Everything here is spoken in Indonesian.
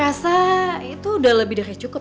saya rasa itu udah lebih dari cukup ya